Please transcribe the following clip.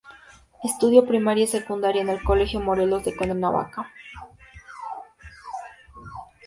Estudio primaria y secundaria en el Colegio Morelos de Cuernavaca.